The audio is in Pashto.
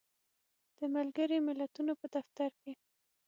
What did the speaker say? د ملګری ملتونو په دفتر کې